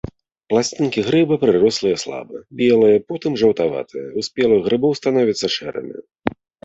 Пласцінкі грыба прырослыя слаба, белыя, потым жаўтаватыя, у спелых грыбоў становяцца шэрымі.